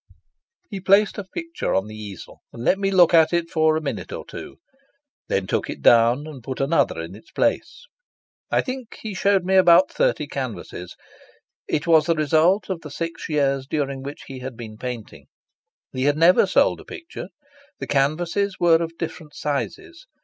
He placed a picture on the easel, and let me look at it for a minute or two; then took it down and put another in its place. I think he showed me about thirty canvases. It was the result of the six years during which he had been painting. He had never sold a picture. The canvases were of different sizes.